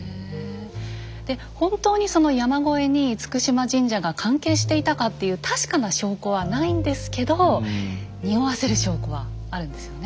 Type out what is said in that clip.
で本当にその山越えに嚴島神社が関係していたかっていう確かな証拠はないんですけどにおわせる証拠はあるんですよね。